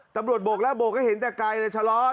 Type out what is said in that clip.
ตำรวจโบกแล้วโบกก็เห็นแต่ไกลเลย